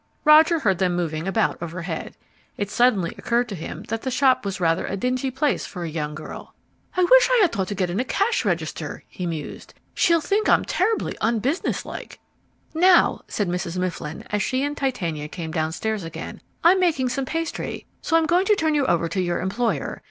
Roger heard them moving about overhead. It suddenly occurred to him that the shop was rather a dingy place for a young girl. "I wish I had thought to get in a cash register," he mused. "She'll think I'm terribly unbusiness like." "Now," said Mrs. Mifflin, as she and Titania came downstairs again, "I'm making some pastry, so I'm going to turn you over to your employer.